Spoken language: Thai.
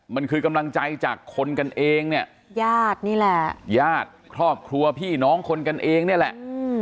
มันคือกำลังใจจากคนกันเองเนี่ยญาตินี่แหละญาติครอบครัวพี่น้องคนกันเองนี่แหละ